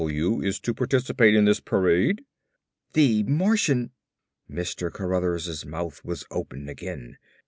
F.W. is to participate in this parade?" "The Martian !!" Mr. Cruthers' mouth was open again.